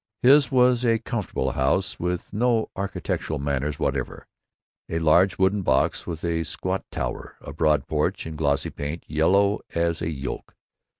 His was a comfortable house with no architectural manners whatever; a large wooden box with a squat tower, a broad porch, and glossy paint yellow as a yolk.